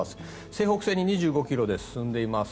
西北西に２５ｋｍで進んでいます。